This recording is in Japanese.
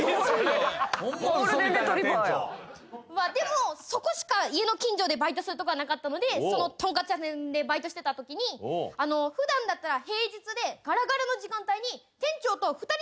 まあでもそこしか家の近所でバイトするとこがなかったのでそのとんかつ屋さんでバイトしてたときに普段だったら平日でガラガラの時間帯に。